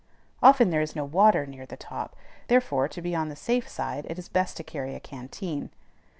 Often there is no water near the top: therefore, to be on the safe side, it is best to carry a canteen.